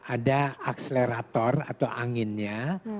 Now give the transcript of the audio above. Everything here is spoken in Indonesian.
ada akselerator atau anginnya